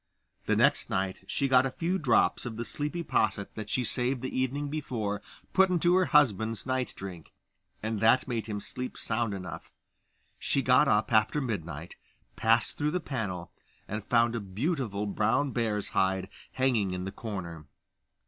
The next night she got a few drops of the sleepy posset that she saved the evening before put into her husband's night drink, and that made him sleep sound enough. She got up after midnight, passed through the panel, and found a Beautiful brown bear's hide hanging in the corner.